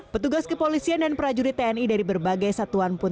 petugas kepolisian dan prajurit tni dari berbagai satuan pun